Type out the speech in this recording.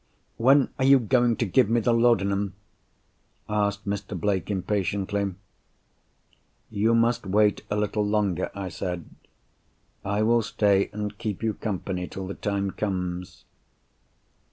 "When are you going to give me the laudanum?" asked Mr. Blake impatiently. "You must wait a little longer," I said. "I will stay and keep you company till the time comes."